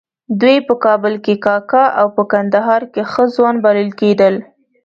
دوی په کابل کې کاکه او په کندهار کې ښه ځوان بلل کېدل.